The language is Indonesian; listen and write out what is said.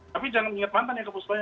tapi jangan inget mantan ya ke pusulanya